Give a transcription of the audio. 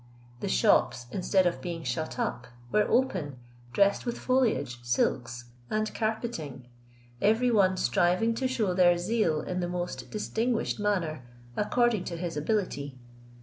The shops, instead of being shut up, were open, dressed with foliage, silks, and carpeting, every one striving to show their zeal in the most distinguished manner according to his ability.